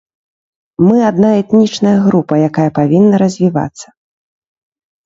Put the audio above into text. Мы адна этнічная група, якая павінна развівацца.